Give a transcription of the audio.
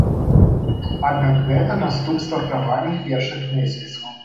Аднак гэта наступства правальных першых месяцаў.